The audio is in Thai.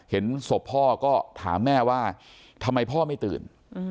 เห็นศพพ่อก็ถามแม่ว่าทำไมพ่อไม่ตื่น